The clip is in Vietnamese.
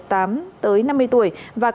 và các nhóm đối tượng